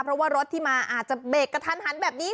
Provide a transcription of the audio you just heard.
เพราะว่ารถที่มาอาจจะเบรกกระทันหันแบบนี้